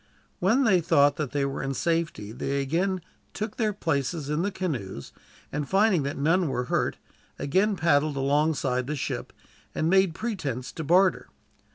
When they thought that they were in safety they again took their places in the canoes, and finding that none were hurt, again paddled alongside the ship, and made pretense to barter.